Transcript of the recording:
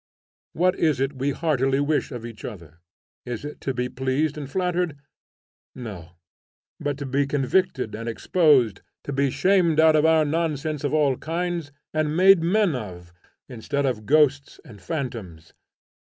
What is it we heartily wish of each other? Is it to be pleased and flattered? No, but to be convicted and exposed, to be shamed out of our nonsense of all kinds, and made men of, instead of ghosts and phantoms.